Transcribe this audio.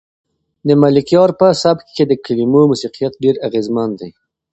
د ملکیار په سبک کې د کلمو موسیقیت ډېر اغېزمن دی.